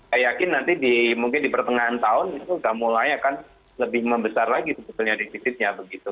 saya yakin nanti mungkin di pertengahan tahun itu sudah mulai akan lebih membesar lagi sebetulnya defisitnya begitu